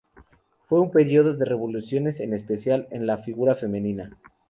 Fue un periodo de revoluciones, en especial en la figura femenina.